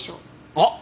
あっ！